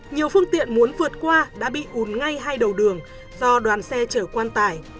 nhiều phương tiện muốn vượt qua đã bị ùn ngay hai đầu đường do đoàn xe chở quan tải